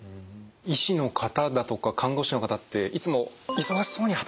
医師の方だとか看護師の方っていつも忙しそうに働かれてるじゃないですか。